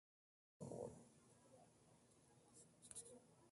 Such dramas resemble dance in many cases.